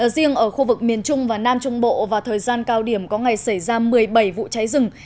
riêng ở khu vực miền trung và nam trung bộ vào thời gian cao điểm có ngày xảy ra một mươi bảy vụ cháy rừng